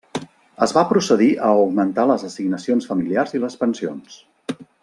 Es va procedir a augmentar les assignacions familiars i les pensions.